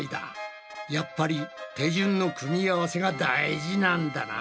やっぱり手順の組み合わせが大事なんだな。